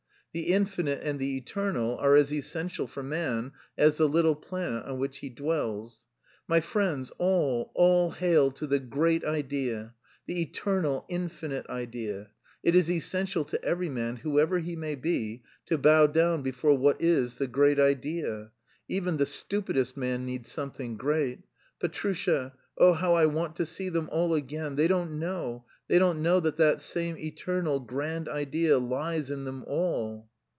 The Infinite and the Eternal are as essential for man as the little planet on which he dwells. My friends, all, all: hail to the Great Idea! The Eternal, Infinite Idea! It is essential to every man, whoever he may be, to bow down before what is the Great Idea. Even the stupidest man needs something great. Petrusha... oh, how I want to see them all again! They don't know, they don't know that that same Eternal, Grand Idea lies in them all!"